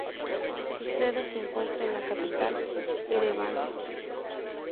Su sede se encuentra en la capital, Ereván.